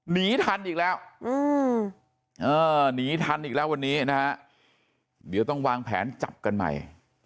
หนีทันอีกแล้วหนีทันอีกแล้ววันนี้นะฮะเดี๋ยวต้องวางแผนจับกันใหม่